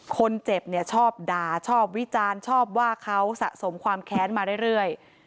คนเจ็บเนี่ยชอบด่าชอบวิจารณ์ชอบว่าเขาสะสมความแค้นมาเรื่อย